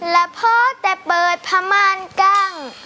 แล้วพอแต่เปิดผมานกล้าง